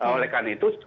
oleh karena itu